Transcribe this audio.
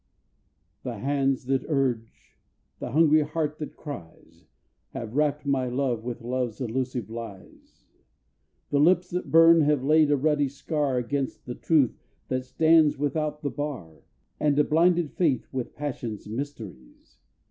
The hands that urge, the hungry heart that cries, Have wrapped my love with love's elusive lies; The lips that burn have laid a ruddy scar Against the truth that stands without the bar, And blinded faith with passion's mysteries.